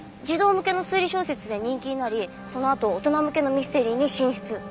児童向けの推理小説で人気になりそのあと大人向けのミステリーに進出。